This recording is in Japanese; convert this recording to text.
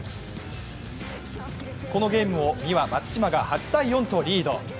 このゲームを美和・松島が８−４とリード。